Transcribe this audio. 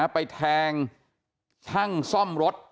ไปแทงช่างซ่อมรถ